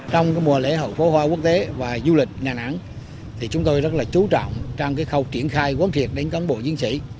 trong mùa lễ hội phố hoa quốc tế và du lịch nha nẵng chúng tôi rất chú trọng trong khâu triển khai quán triệt đến cán bộ chiến sĩ